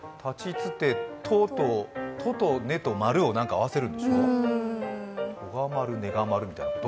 つて「と」と「ね」と○を合わせるんでしょう？とがまる、ねがまるみたいなこと？